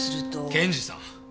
検事さん。